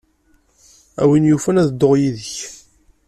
A win yufan, ad dduɣ yid-k.